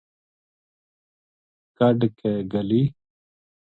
کڈھ کے گلی